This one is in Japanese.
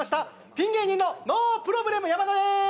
ピン芸人のノープロブレム山田でーす